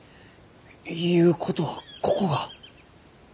ゆうことはここが。